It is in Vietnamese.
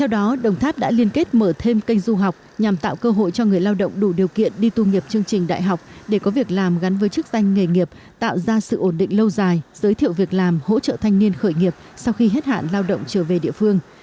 đồng tháp mở thêm kênh du học nhằm tạo cơ hội cho người lao động đủ điều kiện đi tu nghiệp chương trình đại học để có việc làm gắn với chức danh nghề nghiệp tạo ra sự ổn định lâu dài giới thiệu việc làm hỗ trợ thanh niên khởi nghiệp sau khi hết hạn lao động trở về địa phương